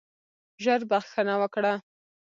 ژر بخښنه وکړه.